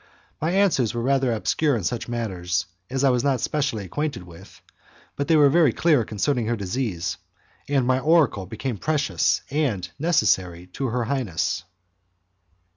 My answers were rather obscure in such matters as I was not specially acquainted with, but they were very clear concerning her disease, and my oracle became precious and necessary to her highness.